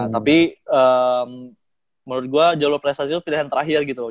tapi menurut gue jalur prestasi itu pilihan terakhir gitu loh